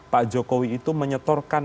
pak jokowi itu menyetorkan